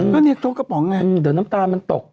ก็เนี่ยตรงกระป๋องไงเดี๋ยวน้ำตาลมันตก